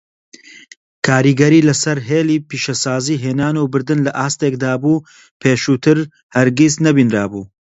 کاریگەری لەسەر هێڵی پیشەسازی هێنان و بردن لە ئاستێکدا بوو پێشووتر هەرگیز نەبینرابوو.